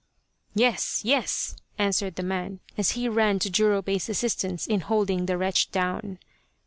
" Yes, yes !" answered the man, as he ran to Jurobei's assistance in holding the wretch down.